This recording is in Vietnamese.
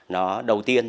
nó đầu tiên